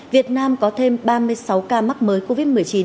việt nam có thêm ba mươi sáu ca mắc mới covid một mươi chín